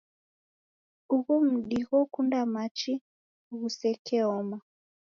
Ughu mdi ghokunda machi ghusekeoma.